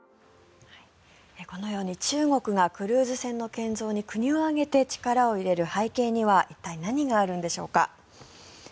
このように、中国がクルーズ船の建造に国を挙げて力を入れる背景には一体何があるんでしょうか。